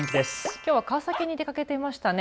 きょうは川崎に出かけていましたね。